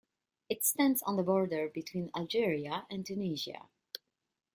It stands on the border between Algeria and Tunisia.